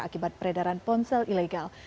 akibat peredaran ponsel ilegal